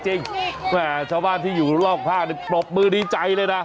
เช้าบ้านที่อยู่รอกภาคตบมือดีใจเลยนะ